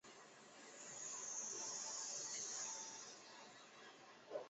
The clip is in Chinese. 萨马藏人口变化图示